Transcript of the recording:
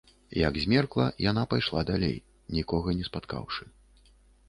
Як змеркла, яна пайшла далей, нікога не спаткаўшы.